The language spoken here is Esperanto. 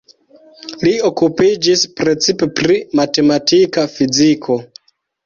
Li okupiĝis precipe pri matematika fiziko.